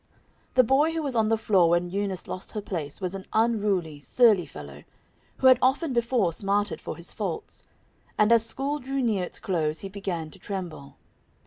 The boy who was on the floor when Eunice lost her place, was an unruly, surly fellow, who had often before smarted for his faults; and as school drew near its close, he began to tremble.